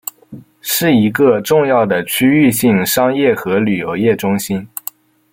是一个重要的区域性商业和旅游业中心。